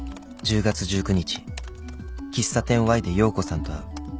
１０月１９日喫茶店 Ｙ で葉子さんと会う